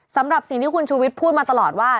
สำหรับสิ่งที่คุณชูวิทย์พูดมาตลอดว่า